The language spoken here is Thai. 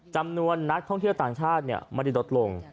จำนวนนักท่องเที่ยวต่างชาติไม่ได้ลดลง